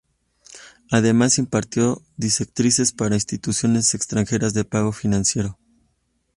Además impartió directrices para instituciones extranjeras de pago financiado.